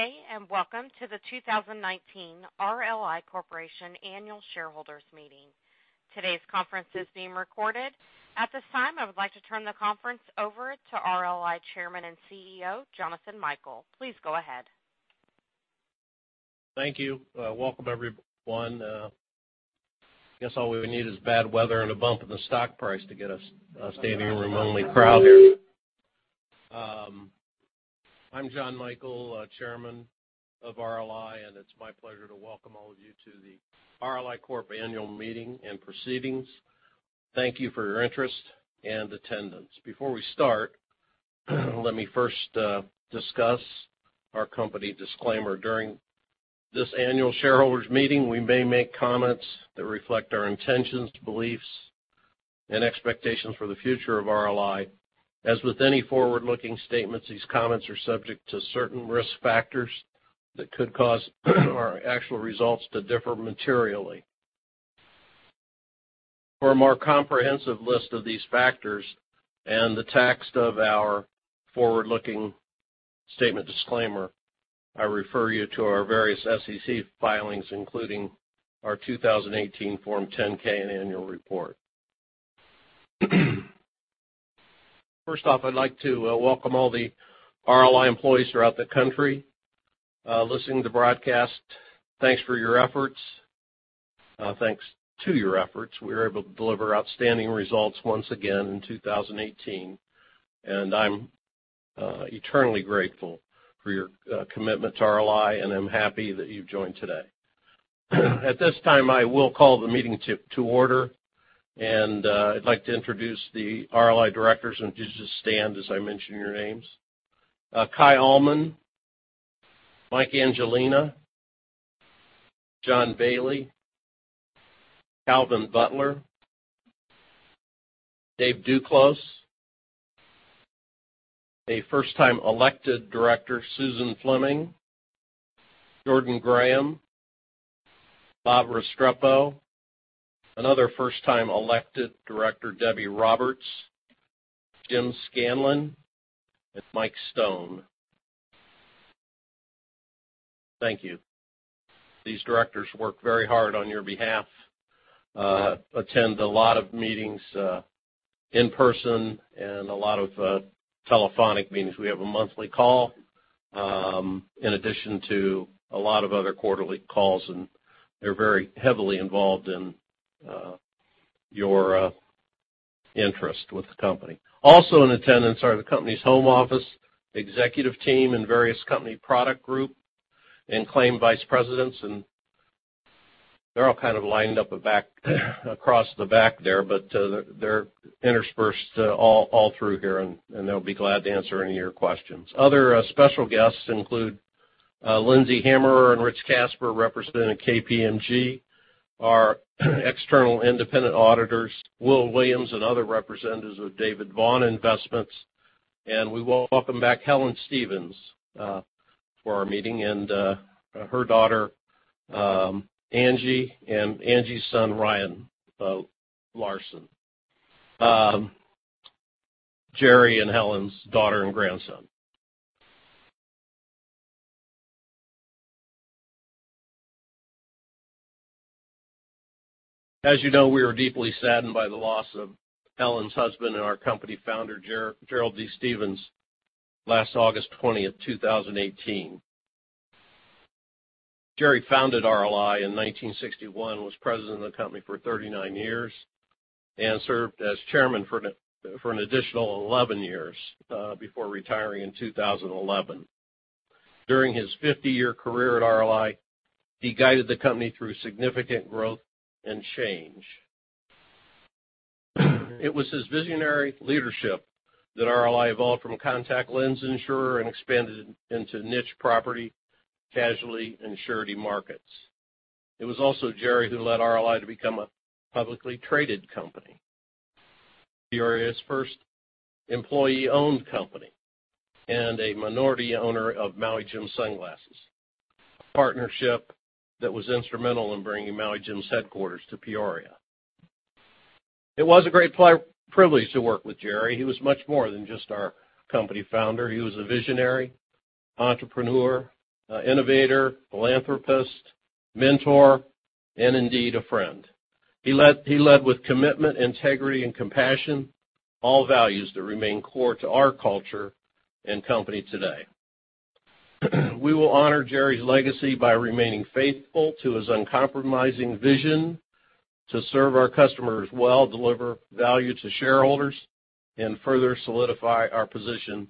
Good day, welcome to the 2019 RLI Corporation Annual Shareholders Meeting. Today's conference is being recorded. At this time, I would like to turn the conference over to RLI Chairman and CEO, Jonathan Michael. Please go ahead. Thank you. Welcome, everyone. I guess all we would need is bad weather and a bump in the stock price to get a standing room only crowd here. I'm Jon Michael, Chairman of RLI. It's my pleasure to welcome all of you to the RLI Corp. Annual Meeting and Proceedings. Thank you for your interest and attendance. Before we start, let me first discuss our company disclaimer. During this annual shareholders meeting, we may make comments that reflect our intentions, beliefs, and expectations for the future of RLI. As with any forward-looking statements, these comments are subject to certain risk factors that could cause our actual results to differ materially. For a more comprehensive list of these factors and the text of our forward-looking statement disclaimer, I refer you to our various SEC filings, including our 2018 Form 10-K and Annual Report. First off, I'd like to welcome all the RLI employees throughout the country listening to the broadcast. Thanks for your efforts. Thanks to your efforts, we were able to deliver outstanding results once again in 2018. I'm eternally grateful for your commitment to RLI. I'm happy that you've joined today. At this time, I will call the meeting to order. I'd like to introduce the RLI directors. If you could just stand as I mention your names. Kaj Ahlmann, Michael Angelina, John Baily, Calvin Butler, David Duclos. A first-time elected director, Susan Fleming, Jordan Graham, Robert Restrepo, another first-time elected director, Debbie Roberts, James Scanlan, Michael Stone. Thank you. These directors work very hard on your behalf, attend a lot of meetings in person and a lot of telephonic meetings. We have a monthly call, in addition to a lot of other quarterly calls. They're very heavily involved in your interest with the company. Also in attendance are the company's home office, executive team, and various company product group and claim vice presidents. They're all kind of lined up across the back there, they're interspersed all through here, they'll be glad to answer any of your questions. Other special guests include Lindsay Hammerer and Rich Kasper, representing KPMG, our external independent auditors, Will Williams and other representatives of David Vaughan Investments. We welcome back Helen Stephens for our meeting and her daughter, Angie, and Angie's son, Ryan Larson. Jerry and Helen's daughter and grandson. As you know, we are deeply saddened by the loss of Helen's husband and our company founder, Gerald D. Stephens, last August 20th, 2018. Jerry founded RLI in 1961, was President of the company for 39 years, and served as Chairman for an additional 11 years before retiring in 2011. During his 50-year career at RLI, he guided the company through significant growth and change. It was his visionary leadership that RLI evolved from a contact lens insurer and expanded into niche property, casualty, and surety markets. It was also Jerry who led RLI to become a publicly traded company, Peoria's first employee-owned company, and a minority owner of Maui Jim Sunglasses, a partnership that was instrumental in bringing Maui Jim's headquarters to Peoria. It was a great privilege to work with Jerry. He was much more than just our company founder. He was a visionary, entrepreneur, innovator, philanthropist, mentor, and indeed, a friend. He led with commitment, integrity, and compassion, all values that remain core to our culture and company today. We will honor Jerry's legacy by remaining faithful to his uncompromising vision to serve our customers well, deliver value to shareholders, and further solidify our position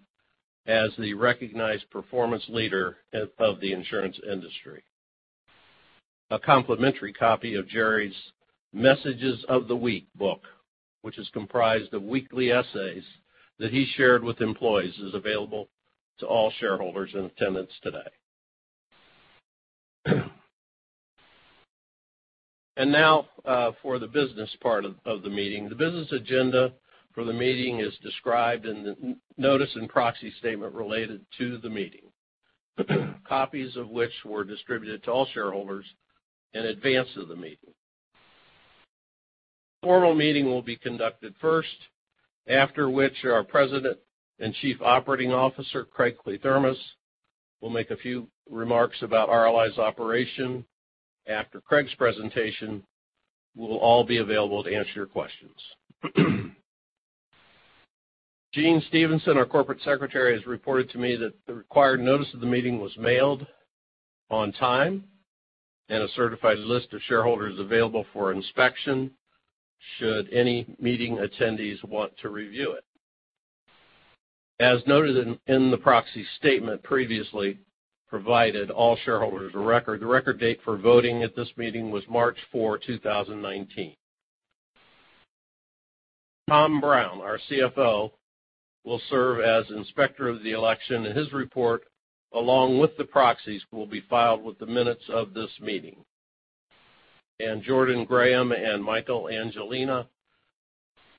as the recognized performance leader of the insurance industry. A complimentary copy of Jerry's "Messages of the Week" book, which is comprised of weekly essays that he shared with employees, is available to all shareholders in attendance today. Now for the business part of the meeting. The business agenda for the meeting is described in the notice and proxy statement related to the meeting, copies of which were distributed to all shareholders in advance of the meeting. The formal meeting will be conducted first, after which our President and Chief Operating Officer, Craig Kliethermes, will make a few remarks about RLI's operation. After Craig's presentation, we will all be available to answer your questions. Jeanne Stephenson, our Corporate Secretary, has reported to me that the required notice of the meeting was mailed on time, and a certified list of shareholders available for inspection should any meeting attendees want to review it. As noted in the proxy statement previously provided all shareholders a record, the record date for voting at this meeting was March 4, 2019. Tom Brown, our CFO, will serve as Inspector of the election, and his report, along with the proxies, will be filed with the minutes of this meeting. Jordan Graham and Michael Angelina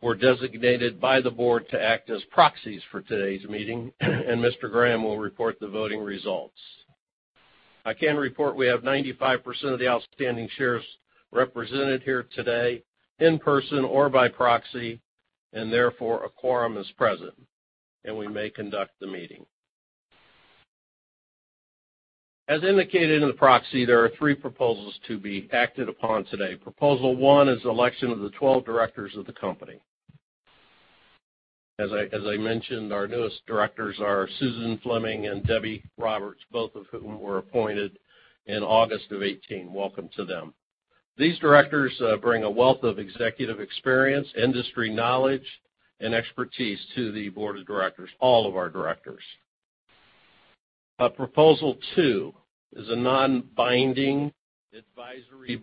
were designated by the board to act as proxies for today's meeting, and Mr. Graham will report the voting results. I can report we have 95% of the outstanding shares represented here today in person or by proxy, and therefore, a quorum is present, and we may conduct the meeting. As indicated in the proxy, there are three proposals to be acted upon today. Proposal one is election of the 12 directors of the company. As I mentioned, our newest directors are Susan Fleming and Debbie Roberts, both of whom were appointed in August of 2018. Welcome to them. These directors bring a wealth of executive experience, industry knowledge, and expertise to the board of directors, all of our directors. Proposal two is a non-binding advisory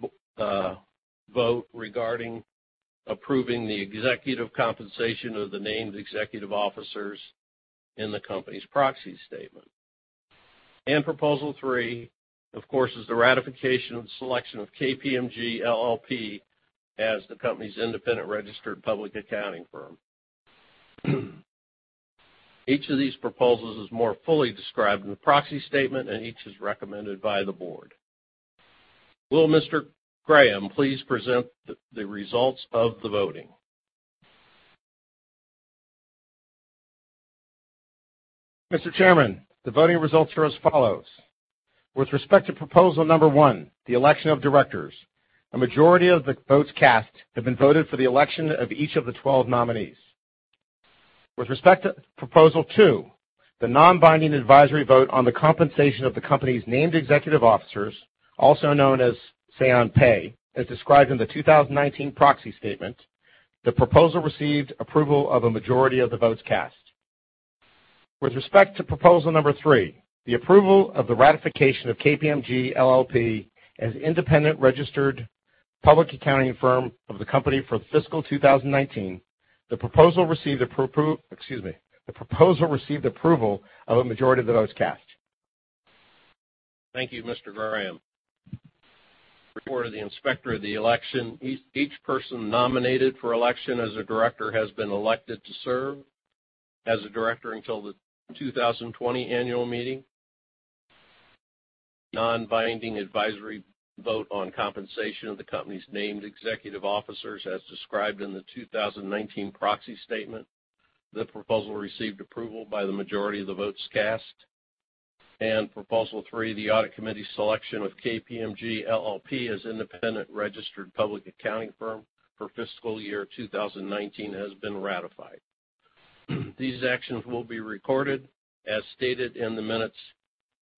vote regarding approving the executive compensation of the named executive officers in the company's proxy statement. Proposal three, of course, is the ratification of the selection of KPMG LLP as the company's independent registered public accounting firm. Each of these proposals is more fully described in the proxy statement, and each is recommended by the board. Will Mr. Graham please present the results of the voting? Mr. Chairman, the voting results are as follows. With respect to proposal number one, the election of directors, a majority of the votes cast have been voted for the election of each of the 12 nominees. With respect to proposal two, the non-binding advisory vote on the compensation of the company's named executive officers, also known as say on pay, as described in the 2019 proxy statement, the proposal received approval of a majority of the votes cast. With respect to proposal number three, the approval of the ratification of KPMG LLP as independent registered public accounting firm of the company for fiscal 2019, the proposal received, excuse me. The proposal received approval of a majority of the votes cast. Thank you, Mr. Graham. Report of the Inspector of the election. Each person nominated for election as a director has been elected to serve as a director until the 2020 annual meeting. Non-binding advisory vote on compensation of the company's named executive officers as described in the 2019 proxy statement. The proposal received approval by the majority of the votes cast. Proposal three, the audit committee selection of KPMG LLP as independent registered public accounting firm for fiscal year 2019 has been ratified. These actions will be recorded as stated in the minutes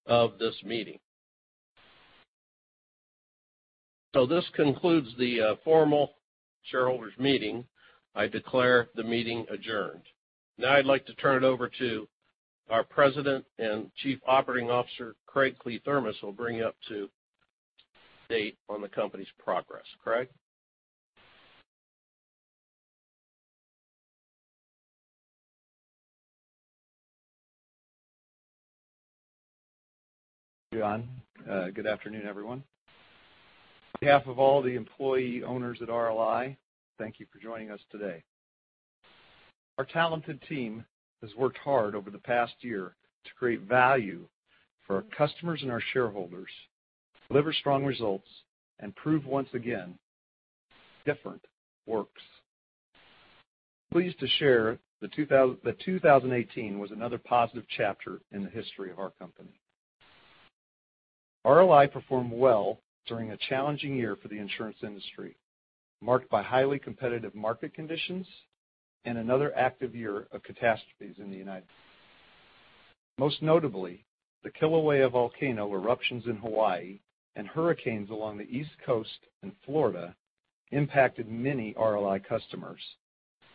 of this meeting. This concludes the formal shareholders' meeting. I declare the meeting adjourned. Now I'd like to turn it over to our President and Chief Operating Officer, Craig Kliethermes, who will bring you up to date on the company's progress. Craig? Jon. Good afternoon, everyone. On behalf of all the employee owners at RLI, thank you for joining us today. Our talented team has worked hard over the past year to create value for our customers and our shareholders, deliver strong results, and prove once again Different Works. Pleased to share that 2018 was another positive chapter in the history of our company. RLI performed well during a challenging year for the insurance industry, marked by highly competitive market conditions and another active year of catastrophes in the United. Most notably, the Kilauea volcano eruptions in Hawaii and hurricanes along the East Coast and Florida impacted many RLI customers.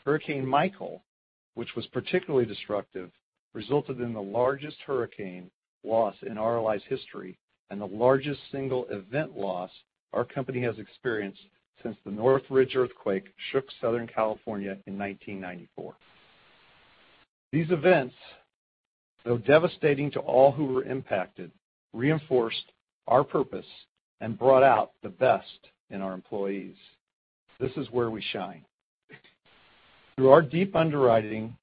Hurricane Michael, which was particularly destructive, resulted in the largest hurricane loss in RLI's history and the largest single event loss our company has experienced since the Northridge earthquake shook Southern California in 1994. These events, though devastating to all who were impacted, reinforced our purpose and brought out the best in our employees. This is where we shine. Through our deep underwriting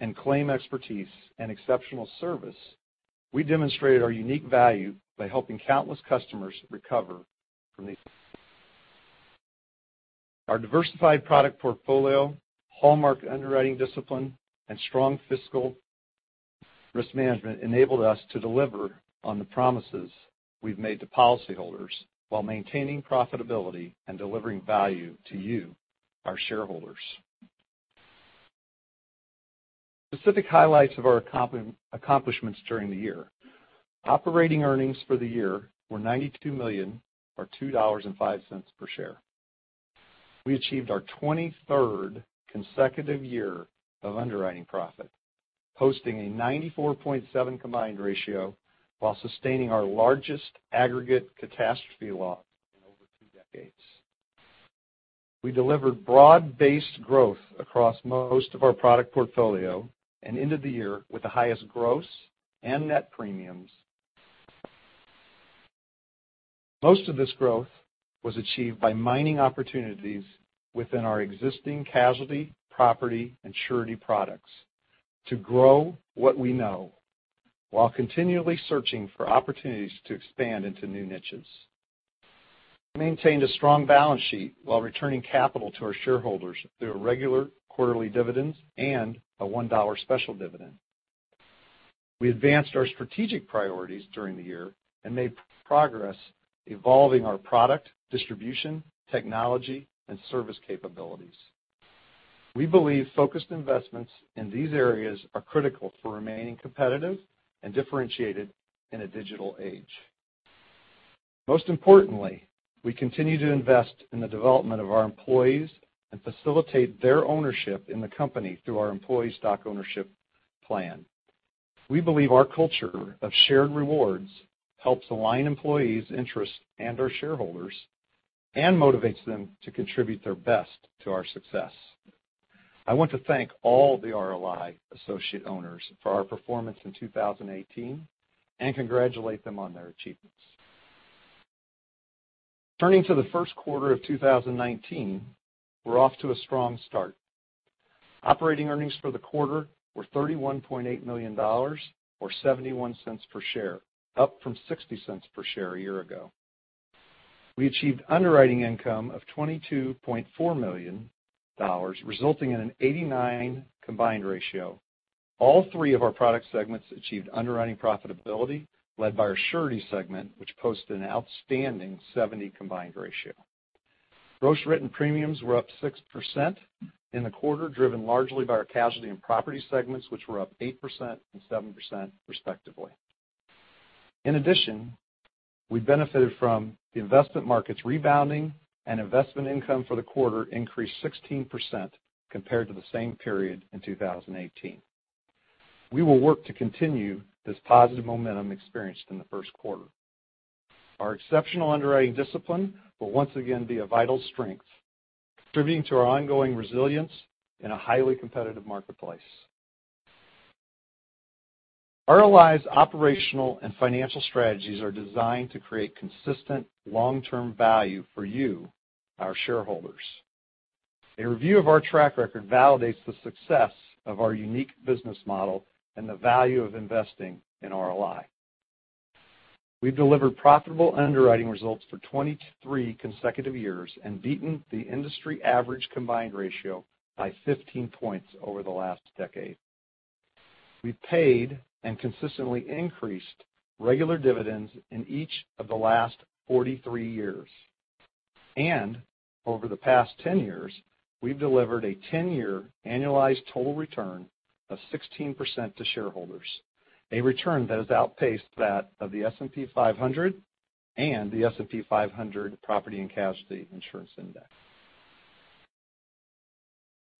and claim expertise and exceptional service, we demonstrated our unique value by helping countless customers recover from these. Our diversified product portfolio, hallmark underwriting discipline, and strong fiscal risk management enabled us to deliver on the promises we've made to policyholders while maintaining profitability and delivering value to you, our shareholders. Specific highlights of our accomplishments during the year. Operating earnings for the year were $92 million, or $2.05 per share. We achieved our 23rd consecutive year of underwriting profit, posting a 94.7 combined ratio while sustaining our largest aggregate catastrophe loss in over two decades. We delivered broad-based growth across most of our product portfolio and ended the year with the highest gross and net premiums. Most of this growth was achieved by mining opportunities within our existing casualty, property, and surety products to grow what we know while continually searching for opportunities to expand into new niches. We maintained a strong balance sheet while returning capital to our shareholders through our regular quarterly dividends and a $1 special dividend. We advanced our strategic priorities during the year and made progress evolving our product, distribution, technology, and service capabilities. We believe focused investments in these areas are critical for remaining competitive and differentiated in a digital age. Most importantly, we continue to invest in the development of our employees and facilitate their ownership in the company through our employee stock ownership plan. We believe our culture of shared rewards helps align employees' interests and our shareholders and motivates them to contribute their best to our success. I want to thank all the RLI associate owners for our performance in 2018 and congratulate them on their achievements. Turning to the first quarter of 2019, we're off to a strong start. Operating earnings for the quarter were $31.8 million, or $0.71 per share, up from $0.60 per share a year ago. We achieved underwriting income of $22.4 million, resulting in an 89 combined ratio. All three of our product segments achieved underwriting profitability, led by our surety segment, which posted an outstanding 70 combined ratio. Gross written premiums were up 6% in the quarter, driven largely by our casualty and property segments, which were up 8% and 7%, respectively. In addition, we benefited from the investment markets rebounding and investment income for the quarter increased 16% compared to the same period in 2018. We will work to continue this positive momentum experienced in the first quarter. Our exceptional underwriting discipline will once again be a vital strength, contributing to our ongoing resilience in a highly competitive marketplace. RLI's operational and financial strategies are designed to create consistent long-term value for you, our shareholders. A review of our track record validates the success of our unique business model and the value of investing in RLI. We've delivered profitable underwriting results for 23 consecutive years and beaten the industry average combined ratio by 15 points over the last decade. We've paid and consistently increased regular dividends in each of the last 43 years. Over the past 10 years, we've delivered a 10-year annualized total return of 16% to shareholders, a return that has outpaced that of the S&P 500 and the S&P 500 Property & Casualty Insurance Index.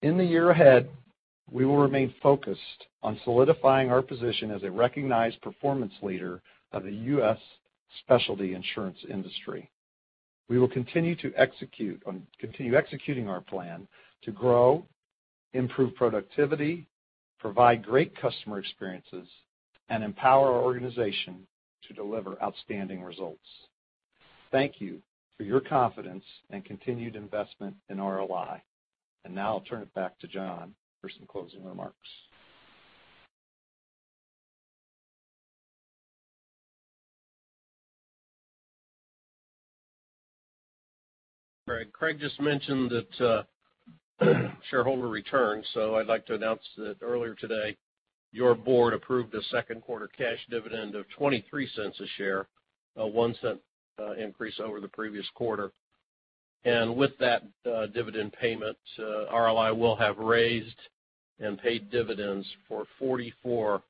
In the year ahead, we will remain focused on solidifying our position as a recognized performance leader of the U.S. specialty insurance industry. We will continue executing our plan to grow, improve productivity, provide great customer experiences, and empower our organization to deliver outstanding results. Thank you for your confidence and continued investment in RLI. Now I'll turn it back to John for some closing remarks. Right. Craig just mentioned shareholder returns. I'd like to announce that earlier today, your board approved a second quarter cash dividend of $0.23 a share, a $0.01 increase over the previous quarter. With that dividend payment, RLI will have raised and paid dividends for 44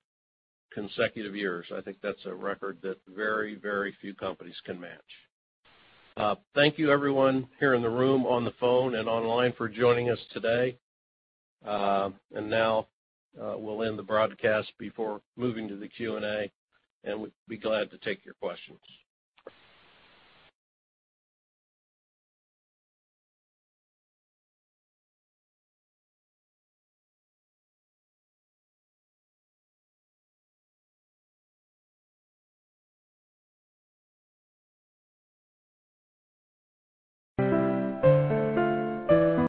consecutive years. I think that's a record that very few companies can match. Thank you everyone here in the room, on the phone, and online for joining us today. Now, we'll end the broadcast before moving to the Q&A, and we'd be glad to take your questions.